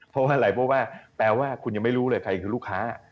เพราะว่าอะไรเพราะว่าแปลว่าคุณยังไม่รู้เลยใครคือลูกค้า